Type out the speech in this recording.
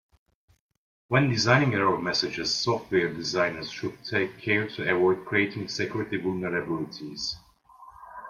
When designing error messages, software designers should take care to avoid creating security vulnerabilities.